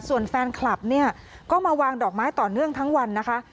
ส่วนแฟนคลับเนี่ยก็มาวางดอกไม้ต่อเนื่องทั้งวันนะคะ